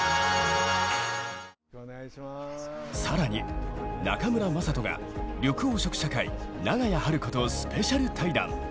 さらに中村正人が緑黄色社会長屋晴子とスペシャル対談。